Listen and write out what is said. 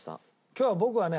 今日は僕はね